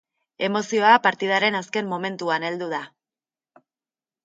Emozioa partidaren azken momentuan heldu da.